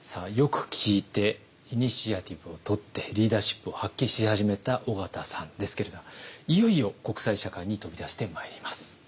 さあよく聞いてイニシアチブを取ってリーダーシップを発揮し始めた緒方さんですけれどいよいよ国際社会に飛び出してまいります。